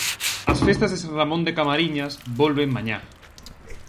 As festas de San Ramón de Camariñas volven mañá.